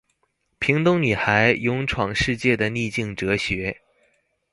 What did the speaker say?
屏東女孩勇闖世界的逆境哲學